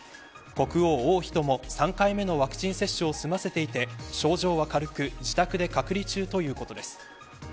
国王、王妃とも３回目のワクチン接種を済ませていて症状は軽く自宅で隔離中ということです。